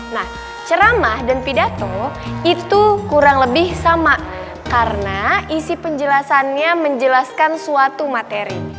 nah ceramah dan pidato itu kurang lebih sama karena isi penjelasannya menjelaskan suatu materi